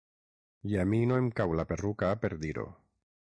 I a mi no em cau la perruca per dir-ho.